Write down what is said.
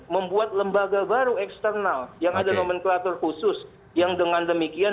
membuat lembaga baru eksternal yang ada nomenklatur khusus yang dengan demikian